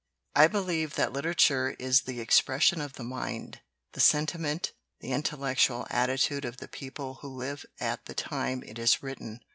I believe that literature is the expression of the mind, the sentiment, the intellectual atti tude of the people who live at the time it is writ ten.